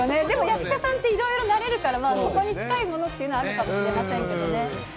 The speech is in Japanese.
でも、役者さんって、いろいろなれるから近いものというのはあるかもしれませんけどね。